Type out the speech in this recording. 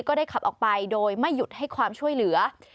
ก็ได้ขับออกไปโดยไม่หยุดให้ความช่วยเหลือ